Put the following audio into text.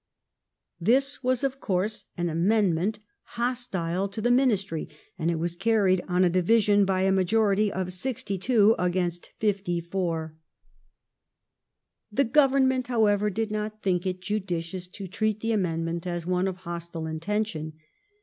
This was of course an amendment hostile to the Ministry and it was carried on a division by a majority of sixty two against fifty four. VOL. II. I 114 THE REIGN OF QUEEN ANNE. ch. xxvi The Government, however, did not think it judicious to treat the amendment as one of hostile intention.